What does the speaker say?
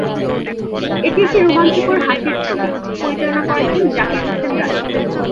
এটি একটি রোমাঞ্চকর হাসির ছবি, পরিচালনা করেছেন "জাকির হোসেন রাজু"।